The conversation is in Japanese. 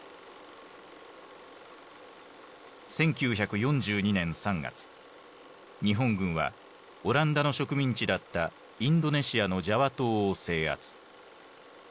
１９４２年３月日本軍はオランダの植民地だったインドネシアのジャワ島を制圧。